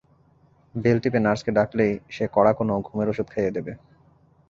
Bell টিপে নার্সকে ডাকলেই সে কড়া কোনো ঘুমের ওষুধ খাইয়ে দেবে।